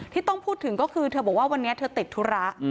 ที่ต้องพูดถึงก็คือเธอบอกว่าวันนี้เธอติดธุระ